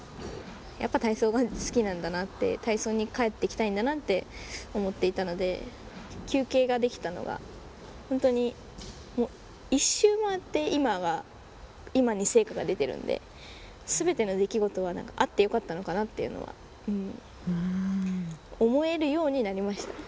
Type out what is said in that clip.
やっぱ体操が好きなんだなって、体操に帰ってきたいんだなって思っていたので、休憩ができたのが、本当にもう一周回って今が、今に成果が出てるんで、すべての出来事はあってよかったのかなっていうのは思えるようになりました。